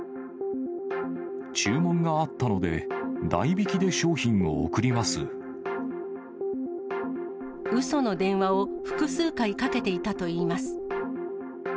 注文があったので、代引きでうその電話を複数回かけていたといいます。